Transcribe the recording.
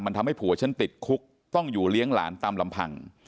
มันทำให้ผัวฉันติดคุกต้องอยู่เลี้ยงหลานตามลำพัง